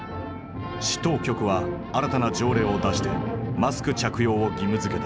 市当局は新たな条例を出してマスク着用を義務付けた。